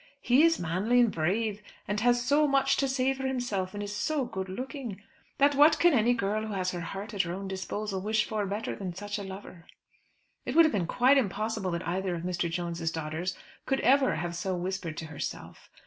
"He is manly and brave, and has so much to say for himself, and is so good looking, that what can any girl who has her heart at her own disposal wish for better than such a lover?" It would have been quite impossible that either of Mr. Jones's daughters could ever have so whispered to herself.